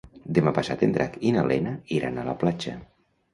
Demà passat en Drac i na Lena iran a la platja.